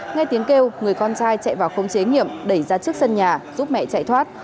nghe tiếng kêu người con trai chạy vào khống chế nghiệm đẩy ra trước sân nhà giúp mẹ chạy thoát